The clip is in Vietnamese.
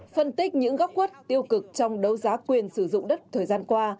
phân tích những góc quất tiêu cực trong đấu giá quyền sử dụng đất thời gian qua